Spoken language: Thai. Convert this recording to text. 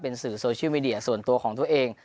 เป็นสื่อโซเชียลมีเดียส่วนตัวของทุกคนเอง